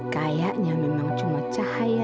kayaknya memang cuma cahaya